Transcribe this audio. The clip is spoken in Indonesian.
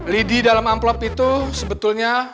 lidi dalam amplop itu sebetulnya